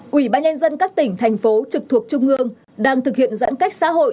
quỹ ba nhân dân các tỉnh thành phố trực thuộc trung ương đang thực hiện giãn cách xã hội